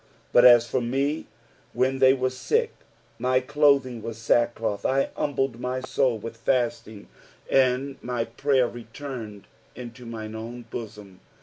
13 But as for me, when they were sick, my clothing was sack cloth : I humbled my soul with fasting ; and my prayer returned into mine own bosom.